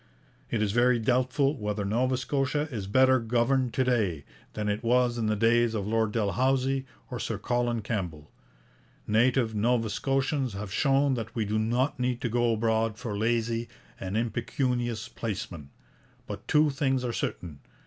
It is very doubtful whether Nova Scotia is better governed to day than it was in the days of Lord Dalhousie or Sir Colin Campbell. Native Nova Scotians have shown that we do not need to go abroad for lazy and impecunious placemen. But two things are certain.